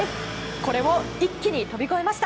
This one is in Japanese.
これを一気に飛び越えました。